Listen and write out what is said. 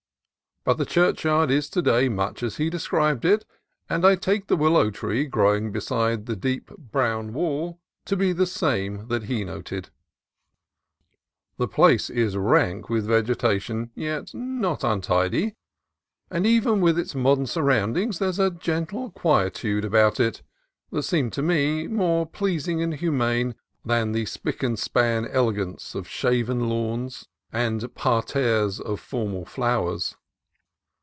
But the churchyard is to day much as he described it, and I take the willow tree growing beside the deep brown wall to be the same that he noted. The place is rank with vegetation, yet not untidy; and even with its modern surroundings there is a gentle quietude about it that seemed to me more pleasing and humane than the spick and span elegance of shaven lawns and parterres of formal flowers.